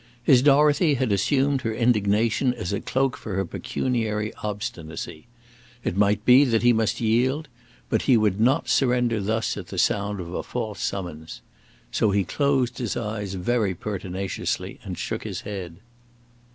His Dorothea had assumed her indignation as a cloak for her pecuniary obstinacy. It might be that he must yield; but he would not surrender thus at the sound of a false summons. So he closed his eyes very pertinaciously and shook his head.